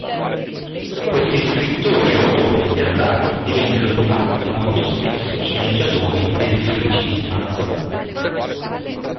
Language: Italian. Questi scrittori e autori teatrali divennero infatti molto spesso sceneggiatori del free cinema.